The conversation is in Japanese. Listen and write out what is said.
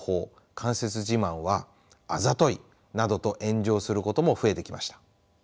間接自慢は「あざとい」などと炎上することも増えてきました。